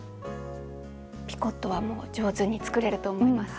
ピコットはもう上手に作れると思います。